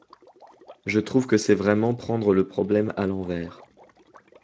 Je trouve que c’est vraiment prendre le problème à l’envers.